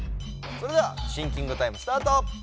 それではシンキングタイムスタート！